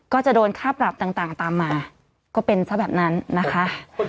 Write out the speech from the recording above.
ก็จะโดนค่าปรับต่างตามมาก็เป็นซะแบบนั้นนะคะ